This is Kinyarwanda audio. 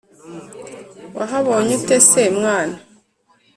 wahabonye ute se mwana